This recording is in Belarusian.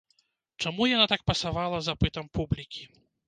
Чаму яна так пасавала запытам публікі?